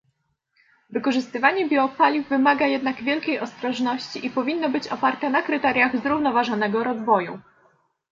Wykorzystywanie biopaliw wymaga jednak wielkiej ostrożności i powinno być oparte na kryteriach zrównoważonego rozwoju